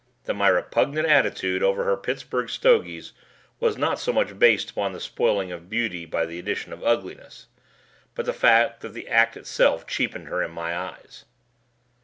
That my repugnant attitude over her Pittsburgh stogies was not so much based upon the spoiling of beauty by the addition of ugliness, but the fact that the act itself cheapened her in my eyes.